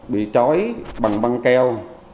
bị trói bằng băng keo